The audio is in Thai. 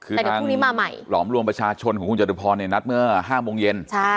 คือทางหลอมรวมประชาชนของกรุงจติภรณ์เนี่ยนัดเมื่อ๕โมงเย็น